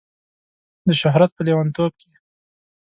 د شهرت په لیونتوب کې